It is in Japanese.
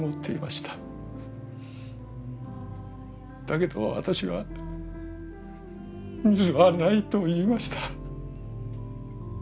だけど私は「水はない」と言いました。